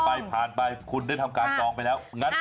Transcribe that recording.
พลาดไปคุณได้ทำการต้องไปแล้ว